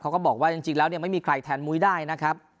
ก็บอกว่าจริงแล้วเนี่ยไม่มีใครแทนมุ้ยได้นะครับ